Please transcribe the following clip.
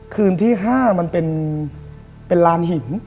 คืนที่๕มันเป็นลานหิน